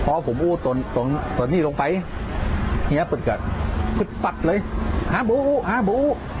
พอผมอู้ตนตอนนี้ลงไปเนี้ยปุ่นกันขึ้นฝักเลยหาบุหาบุ